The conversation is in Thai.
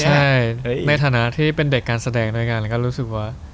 ใช่ในฐานะที่เป็นเด็กการแสดงด้วยกันก็รู้สึกว่า